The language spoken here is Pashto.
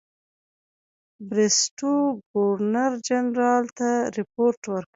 بریسټو ګورنرجنرال ته رپوټ ورکړ.